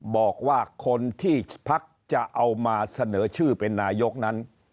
บอกว่าคนที่พักจะเอามาเสนอชื่อเป็นนายกนั้น